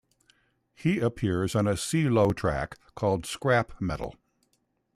He appears on a Cee-Lo track called Scrap Metal.